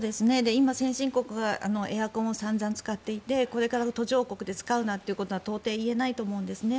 今、先進国がエアコンを散々使っていてこれから途上国で使うなということは到底言えないと思うんですね。